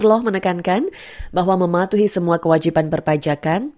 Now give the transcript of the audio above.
mr loh menekankan bahwa mematuhi semua kewajiban berpajakan